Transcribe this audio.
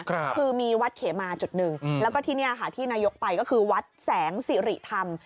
คือมีวัดเขมาจุดหนึ่งอืมแล้วก็ที่เนี่ยค่ะที่นายกไปก็คือวัดแสงสิริธรรม